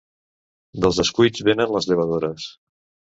Dels descuits venen les llevadores.